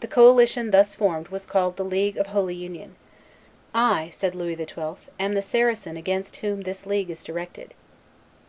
The coalition thus formed was called the League of Holy Union. "I," said Louis XII., "am the Saracen against whom this league is directed."